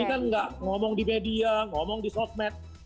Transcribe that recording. ini kan gak ngomong di media ngomong di sosmed